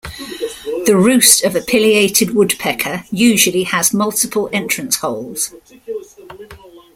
The roost of a pileated woodpecker usually has multiple entrance holes.